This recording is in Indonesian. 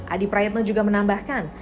adi prayitno juga menambahkan